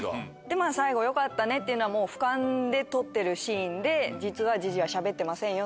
最後よかったねっていうのは俯瞰で撮ってるシーンで実はジジはしゃべってませんよ